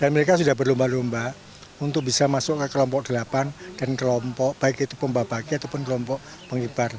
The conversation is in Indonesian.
berlomba lomba untuk bisa masuk ke kelompok delapan dan kelompok baik itu pemba baiki ataupun kelompok pengibar